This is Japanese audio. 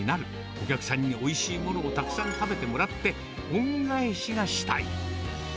お客さんにおいしいものをたくさん食べてもらって、恩返しがしたい。